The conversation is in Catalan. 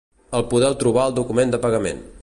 El podeu trobar al document de pagament.